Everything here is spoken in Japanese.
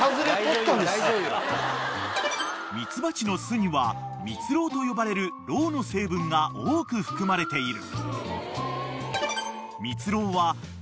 ［蜜蜂の巣には蜜蝋と呼ばれるろうの成分が多く含まれている］